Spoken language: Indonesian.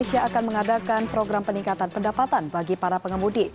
indonesia akan mengadakan program peningkatan pendapatan bagi para pengemudi